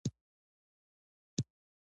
نشه یي توکي مغز خرابوي